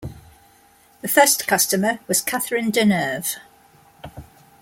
The first customer was Catherine Deneuve.